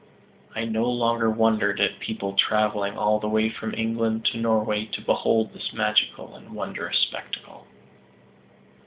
I no longer wondered at people traveling all the way from England to Norway to behold this magical and wondrous spectacle.